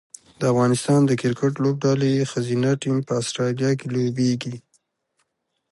د افغانستان د کرکټ لوبډلې ښځینه ټیم په اسټرالیا کې لوبیږي